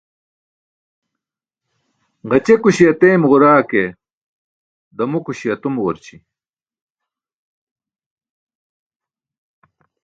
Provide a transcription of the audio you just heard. Gaćekuśi ateemġura ke, ḍamokuśi atomġurći.